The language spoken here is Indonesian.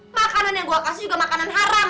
makanan yang gue kasih juga makanan haram